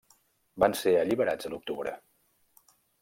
Van ser alliberats a l'octubre.